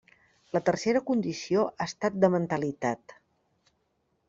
La tercera condició ha estat de mentalitat.